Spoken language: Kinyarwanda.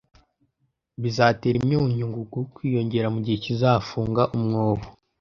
bizatera imyunyu ngugu kwiyongera mugihe kizafunga umwobo